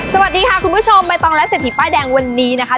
สวัสดีค่ะคุณผู้ชมใบตองและเศรษฐีป้ายแดงวันนี้นะคะ